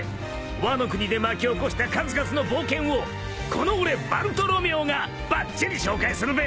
ワノ国で巻き起こした数々の冒険をこの俺バルトロメオがばっちり紹介するべ！